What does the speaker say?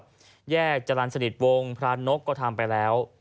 แยกจรรย์สนิทวงศ์พระนกก็ทำไปแล้ว